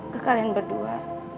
ke kalian berdua